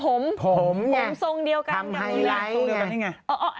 ผมไงทำไฮไลท์ไงผมทรงเดียวกันกับหนู